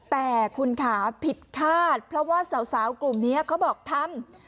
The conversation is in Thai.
แต่คุณค่ะผิดคาดเพราะว่าสาวกลุ่มนี้เขาบอกทำ